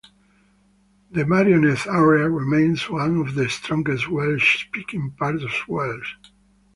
The Merioneth area remains one of the strongest Welsh-speaking parts of Wales.